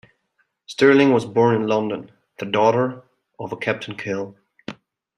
Stirling was born in London, the daughter of a Captain Kehl.